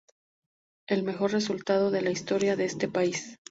El mejor resultado de la historia de este país.